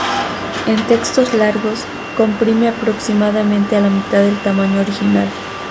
En textos largos, comprime aproximadamente a la mitad del tamaño original.